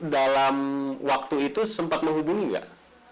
dalam waktu itu sempat melahubungi gak